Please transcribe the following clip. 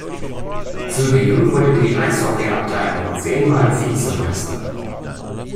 Zudem wurde die Eishockeyabteilung zehn Mal Vizemeister.